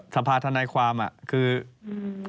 แม่ยืนแม่งงกว่านั้น